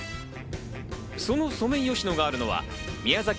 そのソメイヨシノがあるのは宮崎